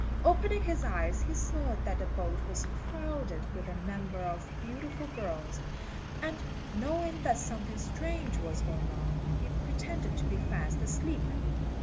Opening his eyes, he saw that the boat was crowded with a number of beautiful girls; and knowing that something strange was going on, he pretended to be fast asleep.